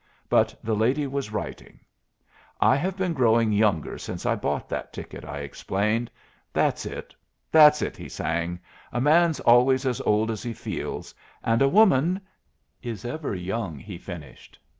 But the lady was writing. "I have been growing younger since I bought that ticket," I explained. "That's it, that's it," he sang; "a man's always as old as he feels, and a woman is ever young," he finished.